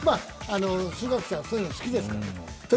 数学者はそういうのが好きですから。